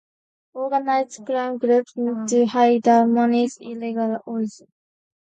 Organized crime groups need to hide the money's illegal origin.